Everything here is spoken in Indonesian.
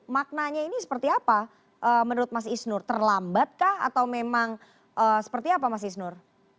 maknanya ini seperti apa menurut mas isnur terlambat kah atau memang seperti apa mas isnur